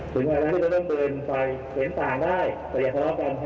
ถึงว่าแล้วที่เราต้องเดินไปเห็นต่างได้แต่อย่าขอบกันครับ